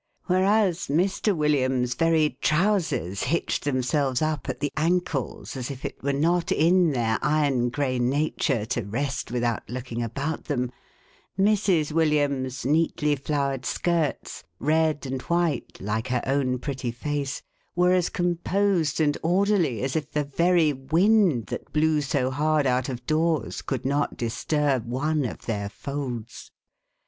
Whereas Mr. William's very trousers hitched themselves up at the ankles, as if it were not in their iron grey nature to rest without looking about them, Mrs. William's neatly flowered skirts — red and white, like her own pretty face — were as composed and orderly, as if the very wind that blew so hard out of doors could not disturb one of their folds.